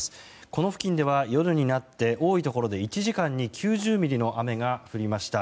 この付近では夜になって多いところで１時間に９０ミリの雨が降りました。